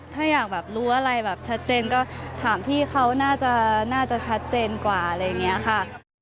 ถ้าอยากแบบรู้อะไรแบบชัดเจนก็ถามพี่เขาน่าจะชัดเจนกว่าอะไรอย่างนี้ค่ะ